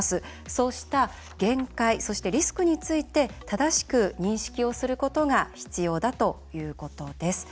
そうした限界そして、リスクについて正しく認識をすることが必要だということです。